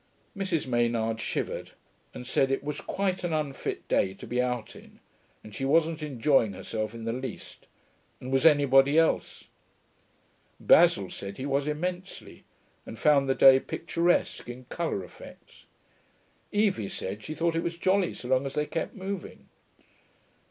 Mrs. Maynard shivered, and said it was quite an unfit day to be out in, and she wasn't enjoying herself in the least, and was anybody else? Basil said he was, immensely, and found the day picturesque in colour effects. Evie said she thought it was jolly so long as they kept moving.